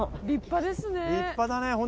立派だね。